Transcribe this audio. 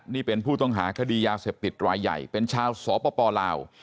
นี่เป็นผู้ต้องหาคดียาเสพติดรายใหญ่เป็นชาวสปลาว